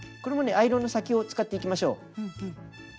アイロンの先を使っていきましょう。